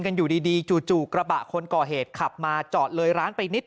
อยู่ดีจู่กระบะคนก่อเหตุขับมาจอดเลยร้านไปนิด